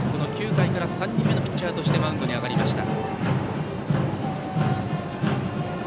９回から３人目のピッチャーとしてマウンドに上がりました。